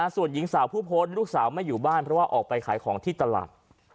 ส่วนหญิงสาวผู้พ้นลูกสาวไม่อยู่บ้านเพราะว่าออกไปขายของที่ตลาด